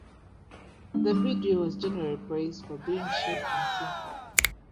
The video was generally praised for being short and simple.